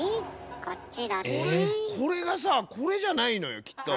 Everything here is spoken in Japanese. これがさこれじゃないのよきっと。